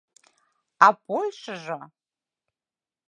А Польшыжо!